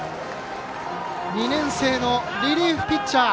２年生のリリーフピッチャー。